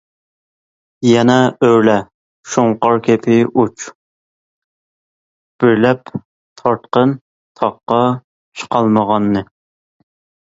يەنە ئۆرلە، شۇڭقار كەبى ئۇچ، بىرلەپ تارتقىن تاققا چىقالمىغاننى!